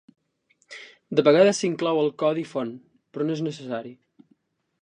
De vegades s'inclou el codi font, però no és necessari.